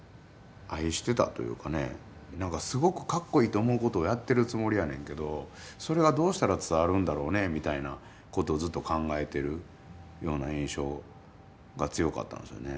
なんかすごくかっこいいと思うことをやってるつもりやねんけどそれがどうしたら伝わるんだろうねみたいなことをずっと考えてるような印象が強かったんですよね。